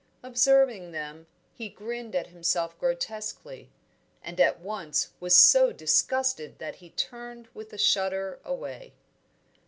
Observing them, he grinned at himself grotesquely and at once was so disgusted that he turned with a shudder away.